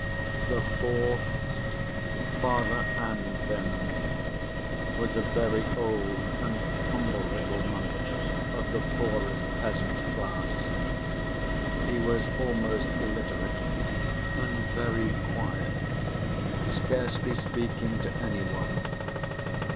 The fourth, Father Anfim, was a very old and humble little monk of the poorest peasant class. He was almost illiterate, and very quiet, scarcely speaking to any one.